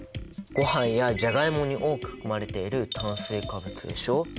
ごはんやジャガイモに多く含まれている炭水化物でしょ。